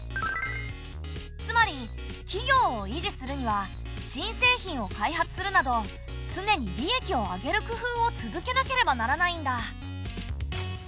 つまり企業を維持するには新製品を開発するなど常に利益を上げる工夫を続けなければならないんだ。